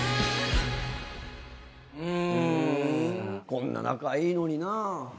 こんな仲いいのにな。